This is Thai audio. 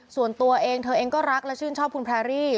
ส่วนตัวเองเธอเองก็รักและชื่นชอบคุณแพรรี่